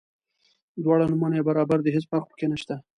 دواړه نومونه یې برابر دي هیڅ فرق په کې نشته.